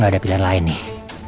gak ada pilihan lain nih